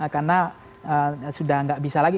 karena sudah gak bisa lagi